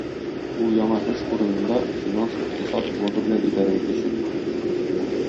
Ул яңа эш урынында финанс-икътисад блогы белән идарә итәчәк.